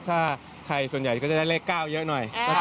ถ้าใครส่วนใหญ่ก็จะได้เลข๙เยอะหน่อย